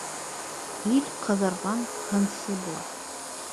Ил ҡыҙырған һынсы була